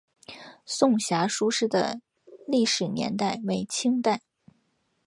颂遐书室的历史年代为清代。